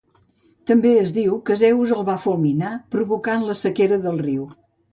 També es diu que Zeus el va fulminar provocant la sequera del riu.